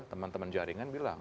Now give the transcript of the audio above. teman teman jaringan bilang